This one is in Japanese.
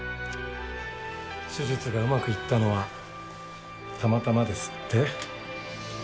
手術がうまくいったのはたまたまですって？